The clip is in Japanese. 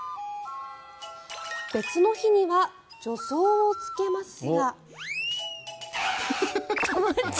別の日には助走をつけますが。